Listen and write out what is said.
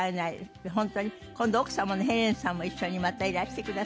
本当に今度奥様のヘレンさんも一緒にまたいらしてくださいね。